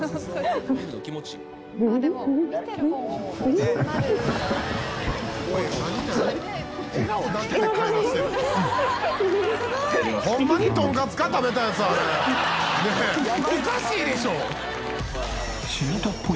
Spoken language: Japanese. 「ねえおかしいでしょ！」